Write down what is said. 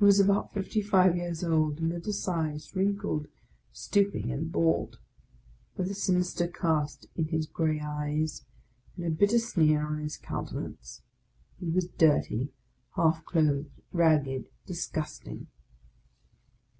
He was about fifty five years old, middle sized, wrinkled, stooping, and bald: with a sinis ter cast in his grey eyes, and a bitter sneer on his counte nance; he was dirty, half clothed, ragged, disgusting.